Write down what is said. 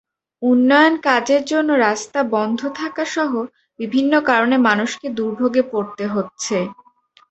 উন্নয়নকাজের জন্য রাস্তা বন্ধ থাকাসহ বিভিন্ন কারণে মানুষকে দুর্ভোগে পড়তে হচ্ছে।